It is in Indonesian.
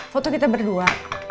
foto kita berdua